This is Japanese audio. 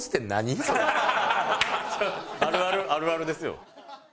あるあるあるあるですよ。